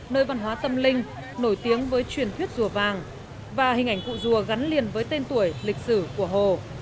nơi văn hóa tâm linh nổi tiếng với truyền thuyết rùa vàng và hình ảnh cụ rùa gắn liền với tên tuổi lịch sử của hồ